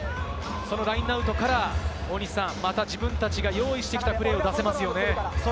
そのラインアウトから大西さん、また自分たちが用意してきたプレーを出せますね。